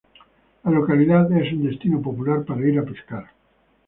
La localidad es un destino popular para ir a pescar.